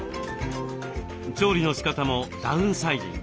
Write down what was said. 調理のしかたもダウンサイジング。